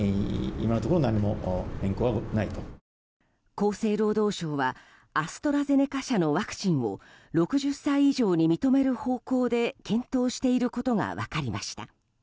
厚生労働省はアストラゼネカ社のワクチンを６０歳以上に認める方向で検討していることが分かりました。